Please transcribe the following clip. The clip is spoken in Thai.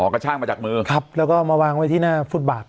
กระชากมาจากมือครับแล้วก็มาวางไว้ที่หน้าฟุตบาท